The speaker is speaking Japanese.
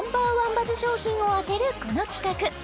バズ商品を当てるこの企画